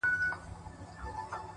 o زما د زما د يار راته خبري کوه ـ